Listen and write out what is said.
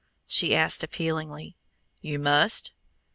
she asked appealingly. "You must!"